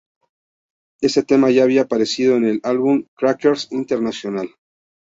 Este tema ya había aparecido en el álbum Crackers International.